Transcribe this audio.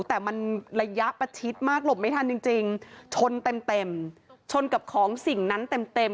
แต่มันระยะประชิดมากหลบไม่ทันจริงจริงชนเต็มเต็มชนกับของสิ่งนั้นเต็มเต็ม